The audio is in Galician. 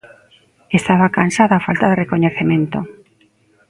Estaba cansa da falta de recoñecemento.